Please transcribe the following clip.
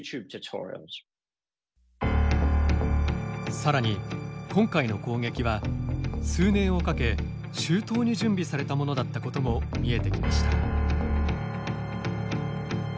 さらに今回の攻撃は数年をかけ周到に準備されたものだったことも見えてきました。